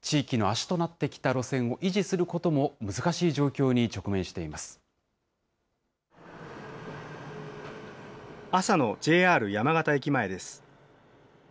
地域の足となってきた路線を維持することも難しい状況に直面して朝のＪＲ山形駅前です。